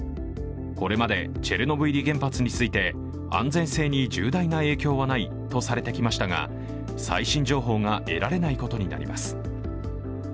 これまでチェルノブイリ原発について安全性に重大な影響はないとされてきましたが、最新情報が得られないことになります。